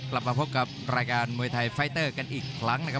กลับมาพบกับรายการมวยไทยไฟเตอร์กันอีกครั้งนะครับ